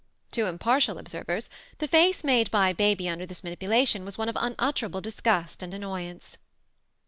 To impartial observers, the face made by baby nnder this manipulation was one (^ unutterable disgust and annoyance.